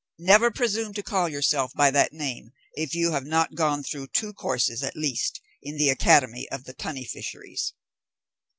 never presume to call yourself by that name if you have not gone through two courses, at least, in the academy of the tunny fisheries.